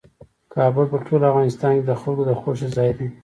کابل په ټول افغانستان کې د خلکو د خوښې ځای دی.